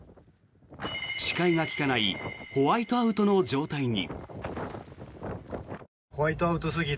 視界が利かないホワイトアウトの状態に。